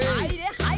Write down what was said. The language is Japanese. はい。